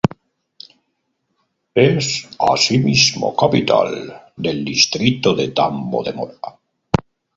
Es asimismo capital del distrito de Tambo de Mora.